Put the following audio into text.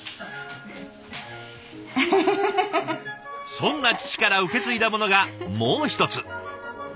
そんな父から受け継いだものがもう一つ。